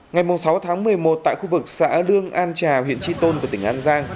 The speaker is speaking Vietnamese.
ngày sáu tháng một mươi một tại khu vực xã lương an trà huyện tri tôn của tỉnh an giang